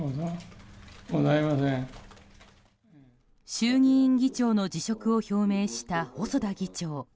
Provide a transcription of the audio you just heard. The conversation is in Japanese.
衆議院議長の辞職を表明した細田議長。